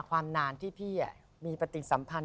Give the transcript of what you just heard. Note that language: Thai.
ความนานที่พี่มีปฏิสัมพันธ